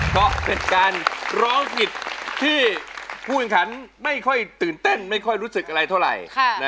เพราะเป็นการร้องผิดที่ผู้แข่งขันไม่ค่อยตื่นเต้นไม่ค่อยรู้สึกอะไรเท่าไหร่